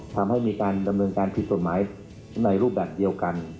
ทำให้มีการดำเนินการผิดกฎหมายในรูปแบบเดียวกัน